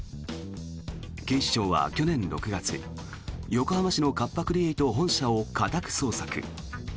警視庁は去年６月、横浜市のカッパ・クリエイト本社を家宅捜索。